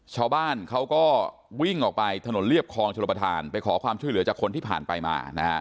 ชาวบ้านเขาก็วิ่งออกไปถนนเรียบคลองชลประธานไปขอความช่วยเหลือจากคนที่ผ่านไปมานะฮะ